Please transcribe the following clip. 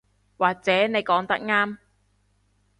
或者你講得啱